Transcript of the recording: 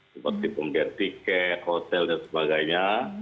seperti pembelian tiket hotel dan sebagainya